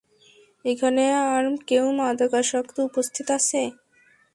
এখানে আর কেউ মাদকাসক্ত উপস্থিত আছে?